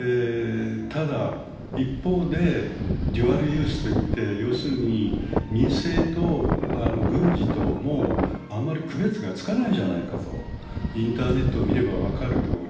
一方でデュアルユースといってデュアルユース、要するに民生と軍事とあまり区別がつかないじゃないかとインターネットを見れば分かるとおり。